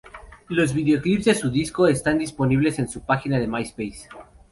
Los videoclips de su disco están disponibles en su página de MySpace.